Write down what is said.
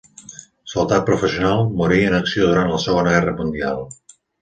Soldat professional, morí en acció durant la Segona Guerra Mundial.